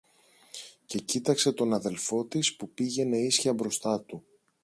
και κοίταξε τον αδελφό της που πήγαινε ίσια μπροστά του